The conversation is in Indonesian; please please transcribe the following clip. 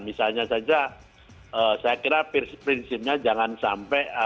misalnya saja saya kira prinsipnya jangan sampai